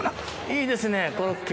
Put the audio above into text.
いいですねコロッケ！